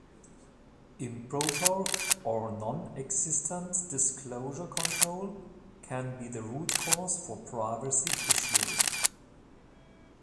Improper or non-existent disclosure control can be the root cause for privacy issues.